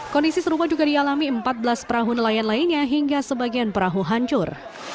kondisi serupa juga dialami empat belas perahu nelayan lainnya hingga sebagian perahu hancur